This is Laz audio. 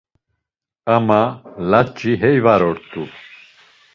Ama laç̌i hey var ort̆u.